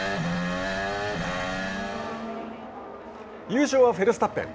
優勝はフェルスタッペン。